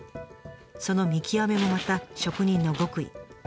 その見極めもまた職人の極意。